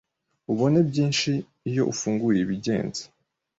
ubone byinshi iyo ufunguye ibigenze